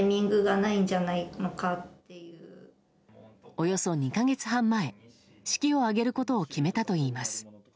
およそ２か月半前式を挙げることを決めたといいます。